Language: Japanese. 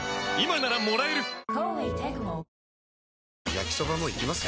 焼きソバもいきます？